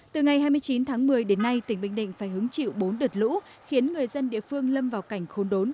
từ ngày hai mươi chín tháng một mươi đến nay tỉnh bình định phải hứng chịu bốn đợt lũ khiến người dân địa phương lâm vào cảnh khôn đốn